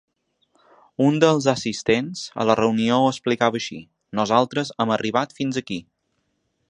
Un dels assistents a la reunió ho explicava així: Nosaltres hem arribat fins aquí.